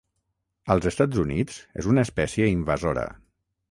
Als Estats Units és una espècie invasora.